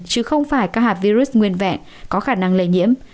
chứ không phải các hạt virus nguyên vẹn có khả năng lây nhiễm